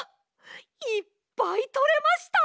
いっぱいとれました！